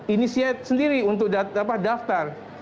inisiat sendiri untuk daftar